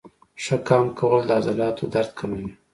ښه قام کول د عضلاتو درد کموي.